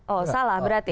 oh salah berarti